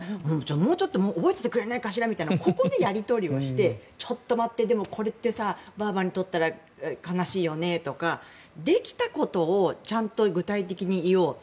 もうちょっと覚えててくれないかしらってここでやりとりをしてちょっと待って、でもこればあばにとったら悲しいよねとかできたことを具体的に言おうと。